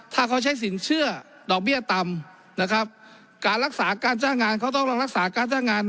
ถ้าเขาใช้สินเชื่อดอกเบี้ยต่ำนะครับการรักษาการจ้างงานเขาต้องลองรักษาการจ้างงาน